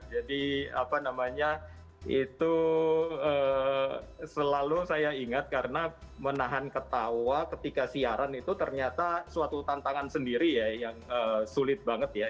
jadi apa namanya itu selalu saya ingat karena menahan ketawa ketika siaran itu ternyata suatu tantangan sendiri ya yang sulit banget ya